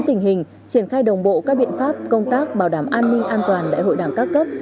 tình hình triển khai đồng bộ các biện pháp công tác bảo đảm an ninh an toàn đại hội đảng các cấp